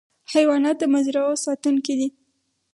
حیوانات د مزرعو ساتونکي دي.